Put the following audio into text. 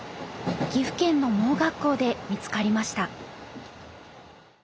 岐阜県の盲学校で見つかりました。